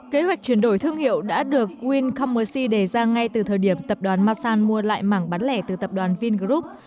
kế hoạch chuyển đổi thương hiệu đã được wincommerce đề ra ngay từ thời điểm tập đoàn masan mua lại mảng bán lẻ từ tập đoàn vingroup